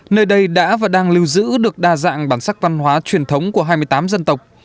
nơi đây đã và đang lưu giữ được đa dạng bản sắc văn hóa truyền thống của hai mươi tám dân tộc